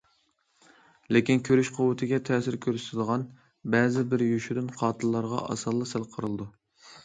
لېكىن كۆرۈش قۇۋۋىتىگە تەسىر كۆرسىتىدىغان بەزى بىر يوشۇرۇن قاتىللارغا ئاسانلا سەل قارىلىدۇ.